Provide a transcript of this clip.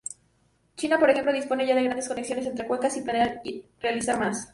China, por ejemplo, dispone ya de grandes conexiones entre cuencas, y planea realizar más.